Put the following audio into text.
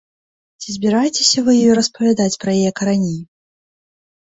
Ці збіраецеся вы ёй распавядаць пра яе карані?